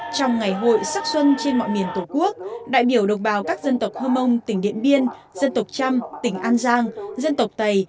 trong ngày hội sắc xuân trên mọi miền tổ quốc đại biểu đồng bào các dân tộc hơ mông tỉnh điện biên dân tộc trăm tỉnh an giang dân tộc tây